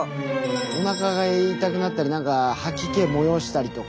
おなかが痛くなったり何か吐き気をもよおしたりとか。